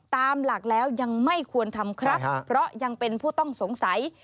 ตามหลักแล้วยังไม่ควรทำครับเพราะยังเป็นผู้ต้องสงสัย